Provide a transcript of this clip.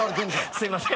「すいません」